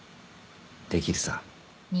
できるさ。